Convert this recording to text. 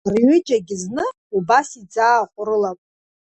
Рҩыџьагь зны убас иӡааҟәрылап…